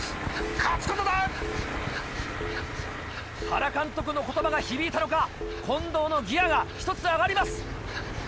原監督の言葉が響いたのか近藤のギアが１つ上がります。